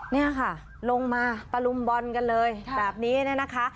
นี่ค่ะลงมาตะลุมบอลกันเลยแบบนี้เนี่ยนะคะ